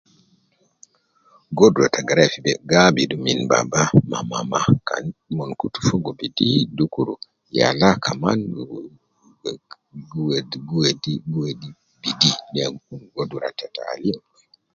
Gudra ta garaya fi be gi abidu min baba ma mama, kan mon kutu fogo bidi dukur yala kaman bi kun ligo gi wedi gi wedi gi wedi bidi, ya godora ta taalim.